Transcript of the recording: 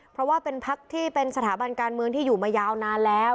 เพราะว่าเป็นพักที่เป็นสถาบันการเมืองที่อยู่มายาวนานแล้ว